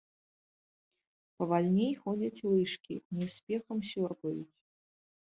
Павальней ходзяць лыжкі, не з спехам сёрбаюць.